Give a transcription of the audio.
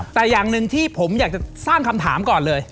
แต่อย่างหนึ่งที่ผมอยากจะสร้างคำถามก่อนเลย